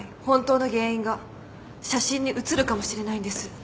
本当の原因が写真に写るかもしれないんです。